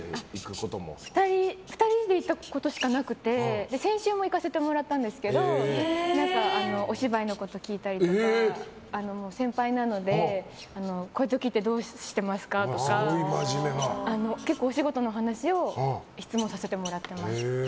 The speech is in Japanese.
２人で行ったことしかなくて先週も行かせてもらったんですけどお芝居のこと聞いたりとか先輩なので、こういう時ってどうしてますかとか結構お仕事の話を質問させてもらってます。